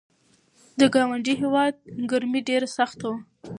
د ګاونډي هیواد ګرمي ډېره سخته وه.